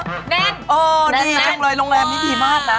แน่นเออดีจังเลยโรงแรมนี้ดีมากนะ